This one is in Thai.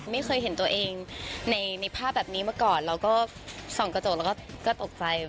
ไม่เคยเห็นตัวเองในภาพแบบนี้มาก่อนเราก็ส่องกระจกแล้วก็ตกใจ